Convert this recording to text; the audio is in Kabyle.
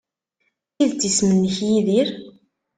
D tidet isem-nnek Yidir?